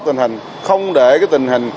tình hình không để tình hình